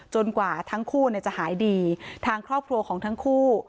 กว่าทั้งคู่จะหายดีทางครอบครัวของทั้งคู่